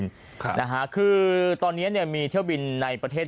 ครับนะฮะคือตอนเนี้ยเนี่ยมีเที่ยวบินในประเทศ